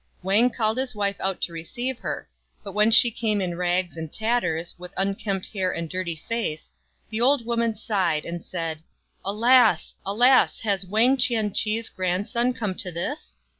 Wang called his wife out to receive her ; but when she came in rags and tatters, with unkempt hair and dirty face, the old woman sighed, and said, " Alas ! Alas ! has Wang Chien chih's grandson come to this